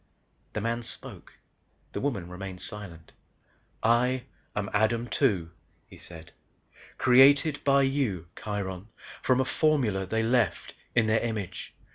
The man spoke, the woman remained silent. "I am Adam Two," he said. "Created, by you Kiron from a formula they left, in their image.